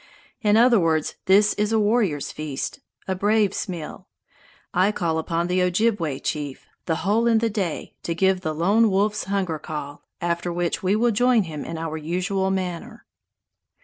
In other words, this is a warriors' feast, a braves' meal. I call upon the Ojibway chief, the Hole in the Day, to give the lone wolf's hunger call, after which we will join him in our usual manner."